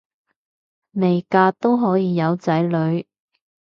未嫁都可以有仔女